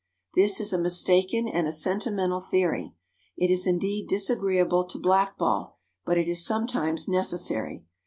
This is a mistaken and a sentimental theory. It is indeed disagreeable to blackball, but it is sometimes necessary.